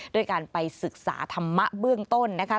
ด้วยการไปศึกษาธรรมะเบื้องต้นนะคะ